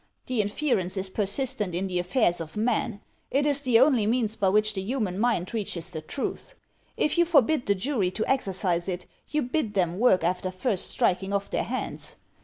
The inference is persistent in the affairs of men. It is the only means by which the human mind reaches the truth. If you forbid the jury to exercise it, you bid them work after first striking off their hands.